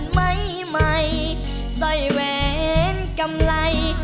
ใหม่ใหม่ซอยแหวนกำไร